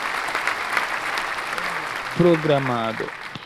programado